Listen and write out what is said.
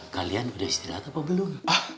kalian sudah istirahat apa belum